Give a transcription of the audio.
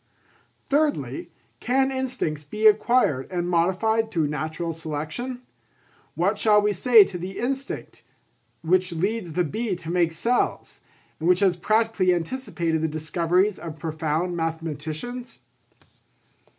Thirdly, can instincts be acquired and modified through natural selection? What shall we say to the instinct which leads the bee to make cells, and which has practically anticipated the discoveries of profound mathematicians?